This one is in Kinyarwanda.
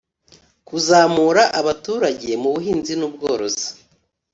Kuzamura abaturage mu buhinzi n’ ubworozi